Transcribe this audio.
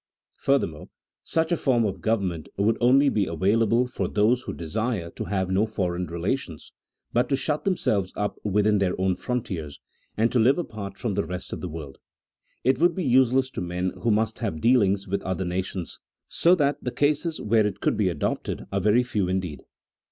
Furthermore, such a form of government would only be available for those who desire to have no foreign relations, but to shut themselves up within their own frontiers, and to live apart from the rest of the world ; it would be use less to men who must have dealings with other nations ; so that the cases where it could be adopted are very few indeed.